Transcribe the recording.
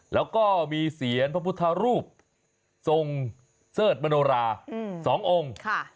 แล้วก็มีเสียงพระพุทธรูปทรงเสิร์ธมโนรา๒องค์